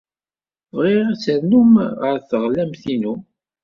Bɣiɣ ad d-ternum ɣer teɣlamt-inu.